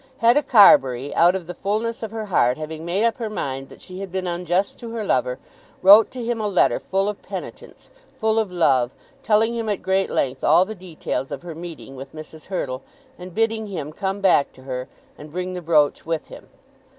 Hetta Carbury, out of the fulness of her heart, having made up her mind that she had been unjust to her lover, wrote to him a letter full of penitence, full of love, telling him at great length all the details of her meeting with Mrs. Hurtle, and bidding him come back to her, and bring the brooch with him.